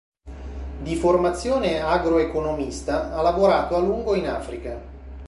Di formazione agro-economista, ha lavorato a lungo in Africa.